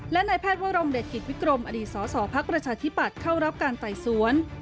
และนายแพทย์ว่ารมณ์เดชน์กิจวิกรมอดีตสศภักดิ์ประชาธิบัตรเข้ารับการไต่สวน